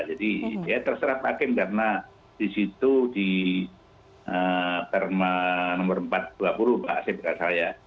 jadi ya terserah pak hakim karena di situ di perma nomor empat ratus dua puluh pak saya berkata saya